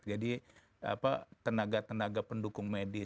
jadi tenaga tenaga pendukung medis